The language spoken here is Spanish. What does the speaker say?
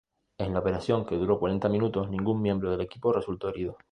En la operación, que duró cuarenta minutos, ningún miembro del equipo resultó herido.